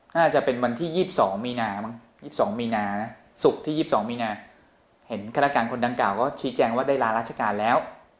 น่าจะเป็นวันที่๒๒มีนาสุขที่๒๒มีนาเห็นฆาตการคนดังกล่าวก็ชี้แจงว่าได้ลาราชการแล้ว